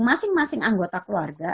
masing masing anggota keluarga